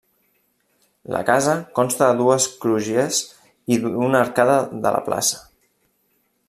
La casa consta de dues crugies i d'una arcada de la plaça.